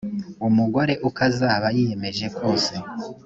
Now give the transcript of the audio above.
umugore uko azaba yiyemeje kose.